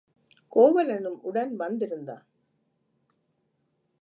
கோவலனும் உடன் வந்திருந்தான்.